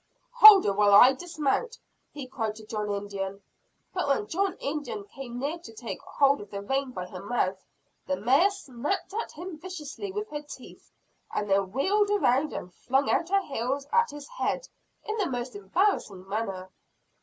"Hold her while I dismount!" he cried to John Indian. But when John Indian came near to take hold of the rein by her mouth, the mare snapped at him viciously with her teeth; and then wheeled around and flung out her heels at his head, in the most embarrassing manner.